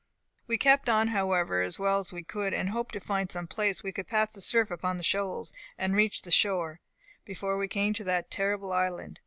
"We kept on, however, as well as we could, and hoped to find some place where we could pass the surf upon the shoals, and reach the shore, before we came to that terrible island.